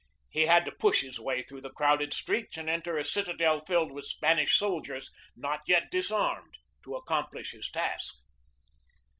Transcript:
He had to push his way through the crowded streets and enter a citadel filled with Spanish soldiers not yet disarmed to accom plish his task.